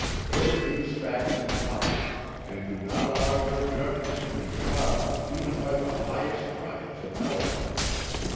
Bear these facts in mind, and do not allow your judgment to be clouded even by the highest triumphs of eloquence.